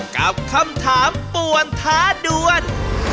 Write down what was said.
กับคำถามป่วนท้าด่วน